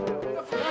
aduh kamu t'ah